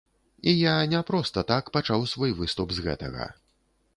І я не проста так пачаў свой выступ з гэтага.